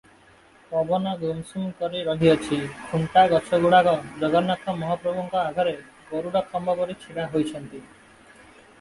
ପବନ ଗୁମସୁମ କରି ରହିଅଛି, ଖୁଣ୍ଟା ଗଛଗୁଡ଼ାକ ଜଗନ୍ନାଥ ମହାପ୍ରଭୁଙ୍କ ଆଗରେ ଗରୁଡ଼ଖମ୍ବ ପରି ଛିଡ଼ା ହୋଇଅଛନ୍ତି ।